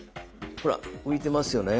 ほら浮いてますよね。